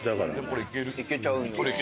これいけちゃう。